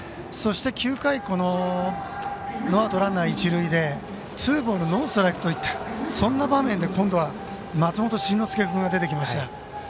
そして、９回ノーアウト、ランナー、一塁でツーボールノーストライクといったそんな場面で今度は松本慎之介君が出てきました